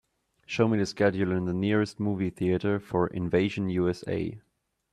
Show me the schedule in the nearest movie theatre for Invasion U.S.A..